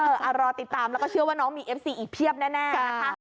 รอติดตามแล้วก็เชื่อว่าน้องมีเอฟซีอีกเพียบแน่นะคะ